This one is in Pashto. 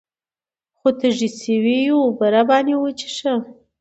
خو تږي شوي يو اوبۀ راباندې وڅښوه ـ